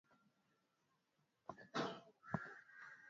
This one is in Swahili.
unatokea kuwa kukaa kukaa katika cafe na